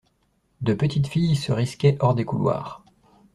De petites filles se risquaient hors des couloirs.